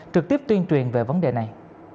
trực tiếp tuyên truyền về vấn đề này